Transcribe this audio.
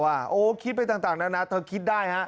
โอ๊ะคิดไปต่างนะคะก็คิดได้